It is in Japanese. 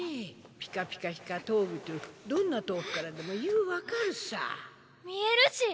ピカピカ光っとぐとぅどんな遠くからでもゆう分かるさ見えるし。